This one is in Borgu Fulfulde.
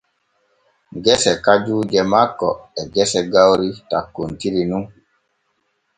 Gese kajuuje makko e gese gawri takkontiri nun.